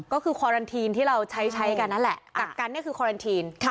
ก็คือคอรันทีนที่เราใช้ใช้กันนั่นแหละกักกันนี่คือคอรันทีน